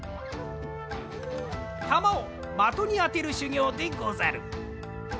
たまをまとにあてるしゅぎょうでござる。